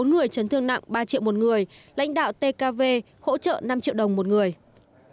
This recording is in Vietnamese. bốn người chấn thương nặng ba triệu một người lãnh đạo tkv hỗ trợ năm triệu đồng một người